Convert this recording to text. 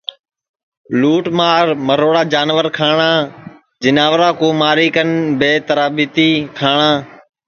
لُوٹ مار مروڑا جیناور کھاٹؔا جیناورا کُو ماری کن بے ترابتی کھاٹؔا